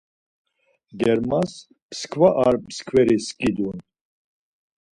Germas mskva ar mskveri skidun.